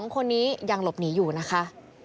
๒คนนี้ยังหลบหนีอยู่นะคะ